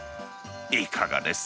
いかがです？